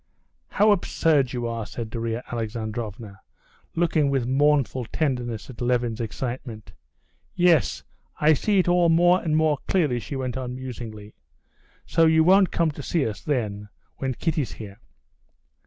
"How absurd you are!" said Darya Alexandrovna, looking with mournful tenderness at Levin's excitement. "Yes, I see it all more and more clearly," she went on musingly. "So you won't come to see us, then, when Kitty's here?"